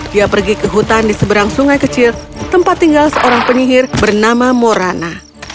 dia pergi ke hutan di seberang sungai kecil tempat tinggal seorang penyihir bernama morana